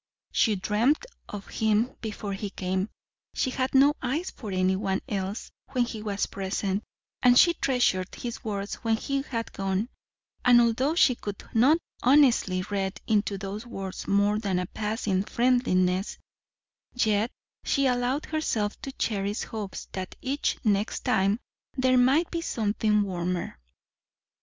She dreamt of him before he came, she had no eyes for anyone else when he was present, and she treasured his words when he had gone; and although she could not honestly read into those words more than a passing friendliness, yet she allowed herself to cherish hopes that each next time there might be something warmer.